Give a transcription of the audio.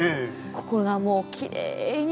ここがもうきれいに。